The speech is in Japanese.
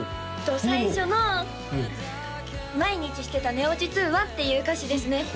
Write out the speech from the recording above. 最初の「毎日してた寝落ち通話」っていう歌詞ですね